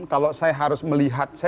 kalau saya harus melihat